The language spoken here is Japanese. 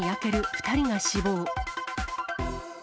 ２人が死亡。